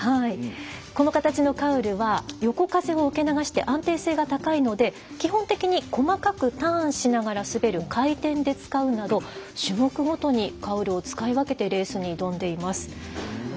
この形のカウルは横風を受け流して安定性が高いので、基本的に細かくターンしながら滑る回転で使うなど種目ごとにカウルを使い分けてレースに挑んでいます。